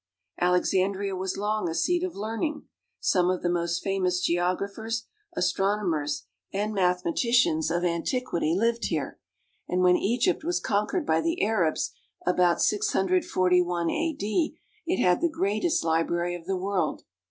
Alexandria was long a seat of learning. Some of the most famous geographers, astronomers, and mathemati 94 AFRICA cians of antiquity lived here, and when Egypt was con quered by the Arabs about 641 a.d. it had the greatest library of the world.